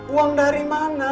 uang dari mana